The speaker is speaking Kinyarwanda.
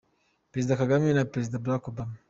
Perezida Kagame na Perezida Barack Obama